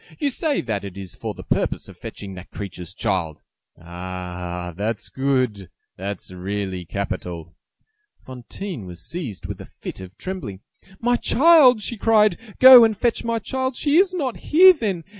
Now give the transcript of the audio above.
You say that it is for the purpose of fetching that creature's child! Ah! Ah! That's good! That's really capital!" Fantine was seized with a fit of trembling. "My child!" she cried, "to go and fetch my child! She is not here, then!